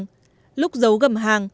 lúc giấu gầm hàng lúc giấu trong quà biếu tặng